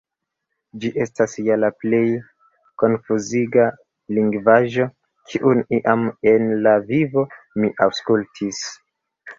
Ĝi estas ja la plej konfuziga lingvaĵo kiun iam en la vivo mi aŭskultis.